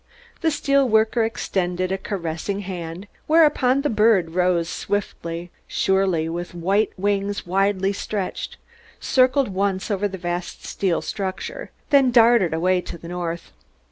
The steel worker extended a caressing hand, whereupon the bird rose swiftly, surely, with white wings widely stretched, circled once over the vast steel structure, then darted away to the north.